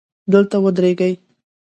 دلته ودرېږئ